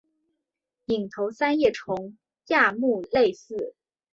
隐头三叶虫亚目类似。